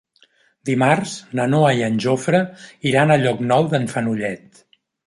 Dimarts na Noa i en Jofre iran a Llocnou d'en Fenollet.